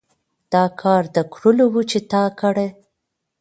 دا کار د کړلو وو چې تا کړى.